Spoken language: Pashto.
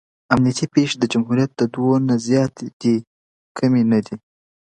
امنیتي پېښې د جمهوریت د دور نه زیاتې دي او کمې نه دي.